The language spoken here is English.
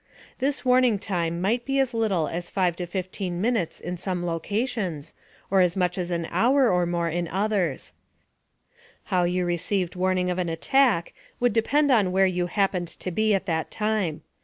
This warning time might be as little as 5 15 minutes in some locations, or as much as an hour or more in others. How you received warning of an attack would depend on where you happened to be at that time.